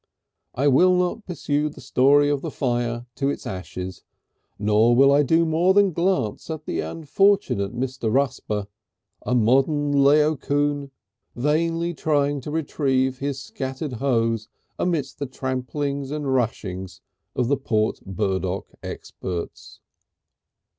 I will not pursue the story of the fire to its ashes, nor will I do more than glance at the unfortunate Mr. Rusper, a modern Laocoon, vainly trying to retrieve his scattered hose amidst the tramplings and rushings of the Port Burdock experts.